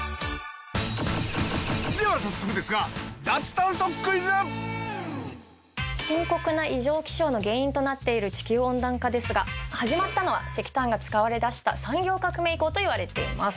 では早速ですが深刻な異常気象の原因となっている地球温暖化ですが始まったのは石炭が使われだした産業革命以降といわれています。